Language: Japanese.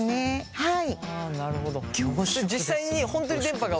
はい。